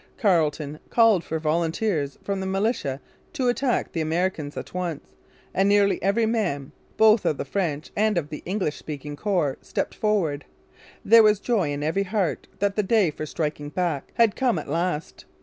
Carleton called for volunteers from the militia to attack the Americans at once; and nearly every man, both of the French and of the English speaking corps, stepped forward. There was joy in every heart that the day for striking back had come at last.